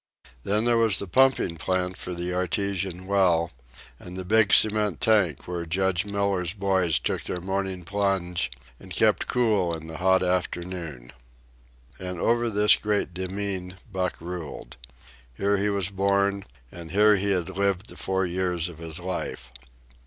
Then there was the pumping plant for the artesian well, and the big cement tank where Judge Miller's boys took their morning plunge and kept cool in the hot afternoon. And over this great demesne Buck ruled. Here he was born, and here he had lived the four years of his life.